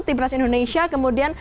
timnas indonesia kemudian